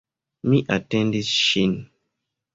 Mi atendis ŝin.